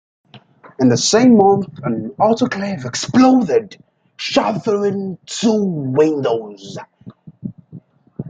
In the same month an autoclave exploded, shattering two windows.